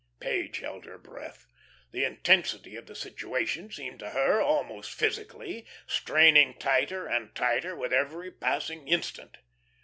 Page held her breath; the intensity of the situation seemed to her, almost physically, straining tighter and tighter with every passing instant.